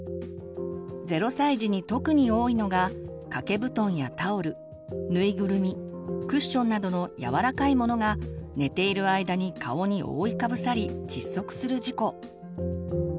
０歳児に特に多いのが掛け布団やタオルぬいぐるみクッションなどのやわらかいものが寝ている間に顔に覆いかぶさり窒息する事故。